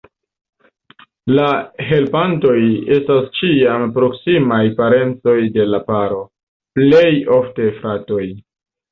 La helpantoj estas ĉiam proksimaj parencoj de la paro, plej ofte fratoj.